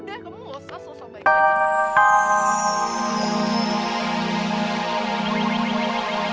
jadi udah kamu gak usah sobaik lagi